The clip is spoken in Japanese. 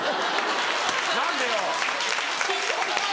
何でよ！